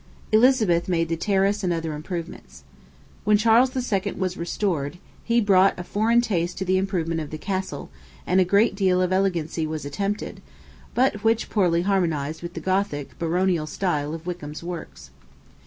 Elizabeth made the terrace and other improvements. When Charles II. was restored, he brought a foreign taste to the improvement of the castle, and a great deal of elegancy was attempted, but which poorly harmonized with the Gothic, baronial style of Wykeham's works.